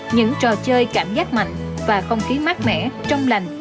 những trò chơi cảm giác mạnh và không khí mát mẻ trong lành